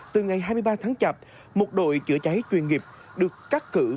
từ ngày hai mươi ba tháng chạp một đội chữa cháy chuyên nghiệp được cắt cử